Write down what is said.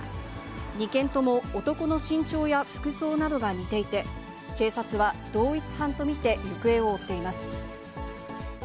２件とも男の身長や服装などが似ていて、警察は同一犯と見て行方を追っています。